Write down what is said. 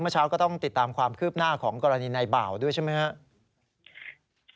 เช้าก็ต้องติดตามความคืบหน้าของกรณีในบ่าวด้วยใช่ไหมครับ